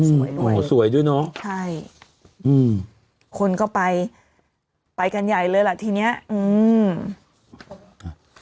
สวยด้วยโอ้สวยด้วยเนอะใช่อืมคนก็ไปไปกันใหญ่เลยล่ะทีเนี้ยอืม